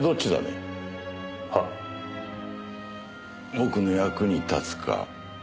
僕の役に立つか。